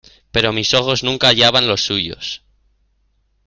pero mis ojos nunca hallaban los suyos.